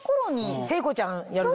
聖子ちゃんやる時？